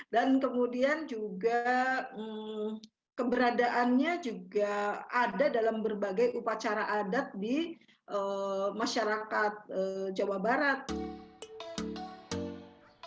dan kemudian juga keberadaannya juga ada dalam berbagai upacara adat di masyarakat jawa barat